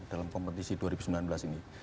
dalam kompetisi dua ribu sembilan belas ini